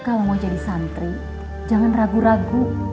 kalau mau jadi santri jangan ragu ragu